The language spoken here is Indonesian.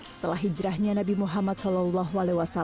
setelah hijrahnya nabi muhammad saw